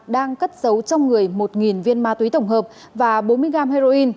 đang cất dấu trong người một viên ma túy tổng hợp và bốn mươi gram heroin